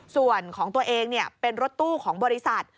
ส่วนของตัวเองเป็นรถตู้ของบริษัท